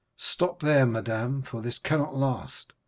Stop there, madame, for this cannot last.